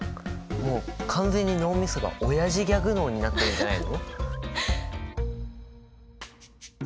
もう完全に脳みそがおやじギャグ脳になってるんじゃないの？